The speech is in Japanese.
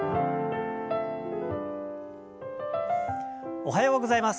おはようございます。